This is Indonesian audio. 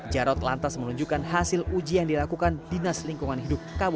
jarod lantas menunjukkan hasil uji yang dilakukan dinas lingkungan hidup kabupaten